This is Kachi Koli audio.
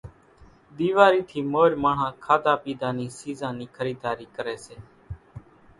ۮيواري ٿي مور ماڻۿان کاڌا پيڌا نِي سيزان نِي خريداري ڪري سي